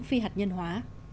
phi hạt nhân hóa